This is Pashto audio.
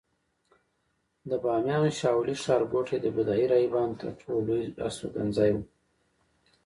د بامیانو شاولې ښارګوټی د بودایي راهبانو تر ټولو لوی استوګنځای و